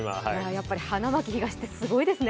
やっぱり花巻東ってすごいですね。